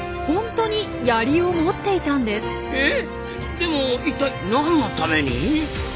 でも一体何のために？